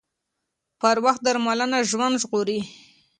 پر وخت درملنه ژوند ژغوري